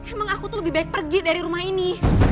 emang aku tuh lebih baik pergi dari rumah ini